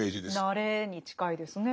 慣れに近いですね。